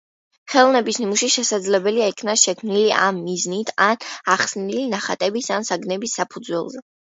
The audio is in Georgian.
ხელოვნების ნიმუში შესაძლოა იქნას შექმნილი ამ მიზნით ან ახსნილი ნახატების ან საგნების საფუძველზე.